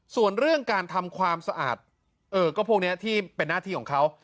ส่วนเรื่องการทำความสะอาดก็พวกนี้ที่เป็นหน้าที่ของเขา